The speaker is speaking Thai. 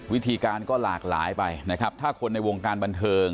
วิธีการก็หลากหลายไปนะครับถ้าคนในวงการบันเทิง